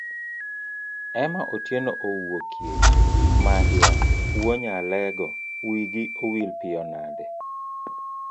Ema Otieno owuokie, mahia wuonya alegowigi owil piyo nade?